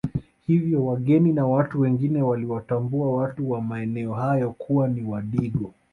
Hivyo wageni na watu wengine waliwatambua watu wa maeneo hayo kuwa ni Wadigo